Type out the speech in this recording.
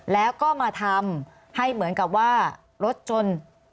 แล้วก็มาทำให้เหมือนกับว่ารถจน